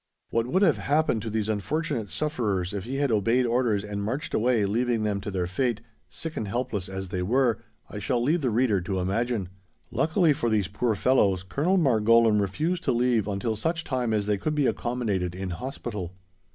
What would have happened to these unfortunate sufferers if he had obeyed orders and marched away leaving them to their fate, sick and helpless as they were, I shall leave the reader to imagine. Luckily for these poor fellows Colonel Margolin refused to leave until such time as they could be accommodated in Hospital.